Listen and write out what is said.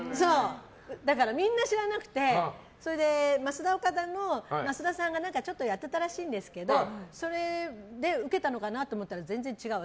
だからみんな知らなくてますだおかだの増田さんがやってたらしいんですけどそれでウケたのかなと思ったら全然違う。